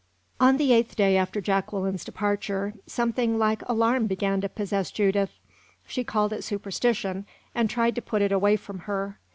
On the eighth day after Jacqueline's departure something like alarm began to possess Judith. She called it superstition, and tried to put it away from her.